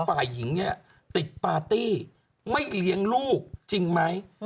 ฝ่ายหญิงเนี่ยติดปาร์ตี้ไม่เลี้ยงลูกจริงไหม